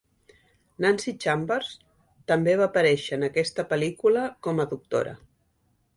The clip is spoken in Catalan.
Nanci Chambers també va aparèixer en aquesta pel·lícula com a doctora.